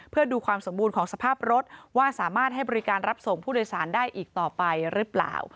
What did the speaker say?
เพื่อดูความสมบูรณ์ของสภาพรถว่าสามารถให้บริการรับส่งผู้โดยสารได้อีกต่อไปหรือเปล่า